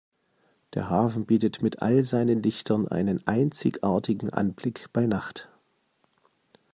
Der Hafen bietet mit all seinen Lichtern einen einzigartigen Anblick bei Nacht.